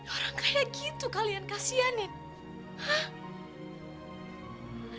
orang kayak gitu kalian kasianin hah